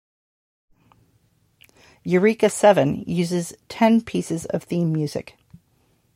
"Eureka Seven" uses ten pieces of theme music.